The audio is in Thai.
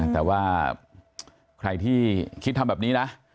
แต่ว่าใครที่คิดทำแบบนี้นะ